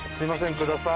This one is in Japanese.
ください